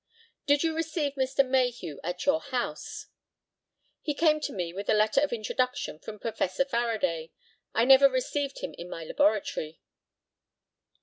Did you receive Mr. Mayhew at your house? He came to me with a letter of introduction from Professor Faraday. I never received him in my laboratory.